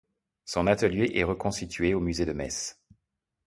Son atelier est reconstitué au musée de Metz.